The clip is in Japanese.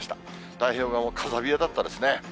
太平洋側も風冷えだったんですね。